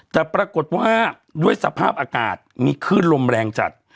แต่ปรากฏว่าด้วยสภาพอากาศมีคลื่นลมแรงจัด